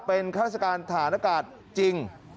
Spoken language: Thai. เป็นฆาติการทหารอากาศจริง